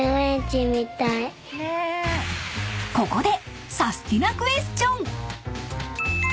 ［ここで］